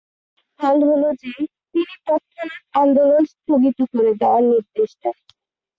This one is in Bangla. এর ফল হলো যে, তিনি তৎক্ষণাৎ আন্দোলন স্থগতি করে দেওয়ার নির্দেশ দেন।